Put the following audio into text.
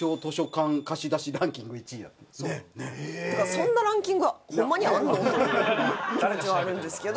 そんなランキングホンマにあるの？っていう気持ちはあるんですけど。